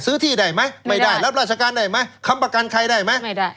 ที่ได้ไหมไม่ได้รับราชการได้ไหมค้ำประกันใครได้ไหมไม่ได้